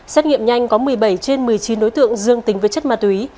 xét nghiệm nhanh có một mươi bảy trên một mươi chín đối tượng dương tính với chất ma túy